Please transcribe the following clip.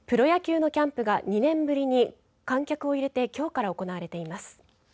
プロ野球のキャンプが２年ぶりに観客を入れてきょうから行われています。